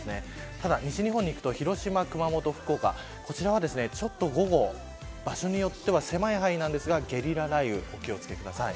ただ、西日本にいくと広島、熊本、福岡こちらはちょっと午後場所によっては狭い範囲なんですがゲリラ雷雨にお気を付けください。